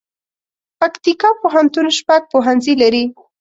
پکتیکا پوهنتون شپږ پوهنځي لري